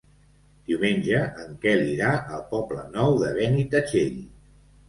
Diumenge en Quel irà al Poble Nou de Benitatxell.